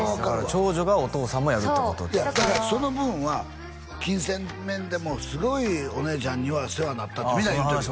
長女がお父さんもやるってことだからその分は金銭面でもすごいお姉ちゃんには世話なったってみんな言うてるよ